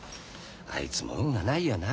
あいつも運がないよな。